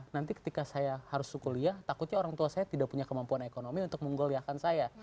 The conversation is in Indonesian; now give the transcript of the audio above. nanti ketika saya harus kuliah takutnya orang tua saya tidak punya kemampuan ekonomi untuk menggoliahkan saya